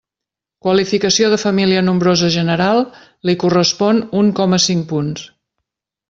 Qualificació de família nombrosa general, li correspon un coma cinc punts.